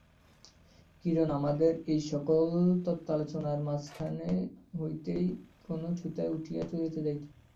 কিরণ আমাদের এইসকল তত্ত্বালোচনার মাঝখান হইতেই কোনো ছুতায় উঠিয়া চলিয়া যাইত।